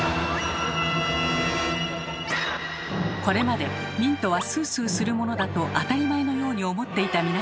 これまでミントはスースーするものだと当たり前のように思っていた皆さん。